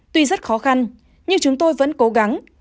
tuy rất khó khăn nhưng chúng tôi vẫn cố gắng